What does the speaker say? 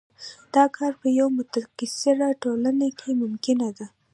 دا کار په یوه متکثره ټولنه کې ممکنه ده.